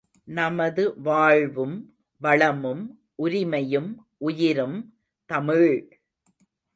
நமது வாழ்வும் வளமும் உரிமையும் உயிரும் தமிழ்.